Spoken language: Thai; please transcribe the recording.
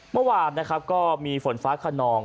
เมื่อวานก็มีฝนฟ้าขนอง